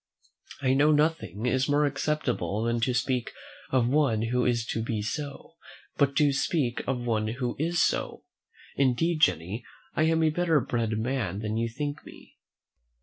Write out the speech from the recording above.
I know nothing is more acceptable than to speak of one who is to be so; but to speak of one who is so! indeed, Jenny, I am a better bred man than you think me."